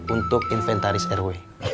untuk inventaris rw